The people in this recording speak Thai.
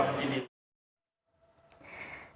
ยินดียินดียินดี